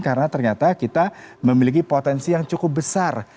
karena ternyata kita memiliki potensi yang cukup besar